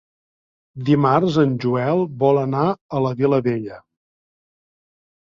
Dimarts en Joel vol anar a la Vilavella.